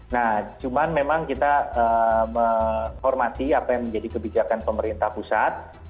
nah cuman memang kita menghormati apa yang menjadi kebijakan pemerintah pusat